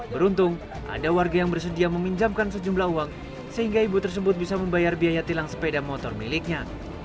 beruntung ada warga yang bersedia meminjamkan sejumlah uang sehingga ibu tersebut bisa membayar biaya tilang sepeda motor miliknya